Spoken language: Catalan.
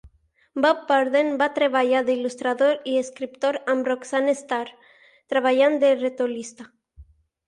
Bob Burden va treballar d'il·lustrador i escriptor amb Roxanne Starr treballant de retolista.